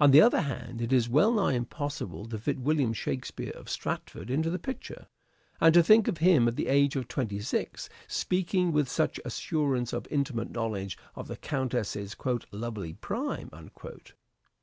On the other hand it is well nigh impossible to fit William Shakspere of Stratford into the picture, and to think of him at the age of twenty six, speaking with such assurance of intimate knowlege of the Countess's " lovely prime."